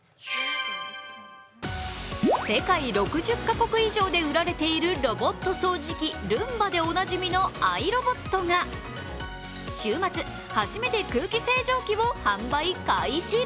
世界６０か国以上で売られているロボット掃除機、ルンバで知られていうアイロボットが週末、初めて空気清浄機を販売開始。